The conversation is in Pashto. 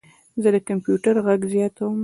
زه د کمپیوټر غږ زیاتوم.